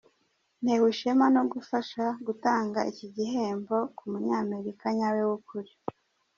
Ntewe ishema no gufasha gutanga iki gihembo ku Munyamerika nyawe w’ukuri.